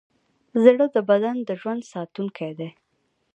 زړه د بدن د ژوند ساتونکی دی.